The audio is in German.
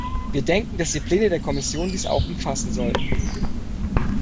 Wir denken, dass die Pläne der Kommission dies auch umfassen sollten.